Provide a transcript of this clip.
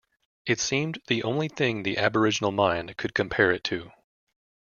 It seemed the only thing the aboriginal mind could compare it to.